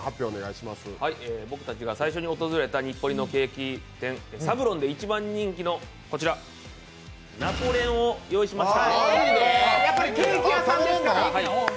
僕たちが最初に訪れた日暮里のケーキ店、サブロンの一番人気のこちら、ナポレオンをご用意しました。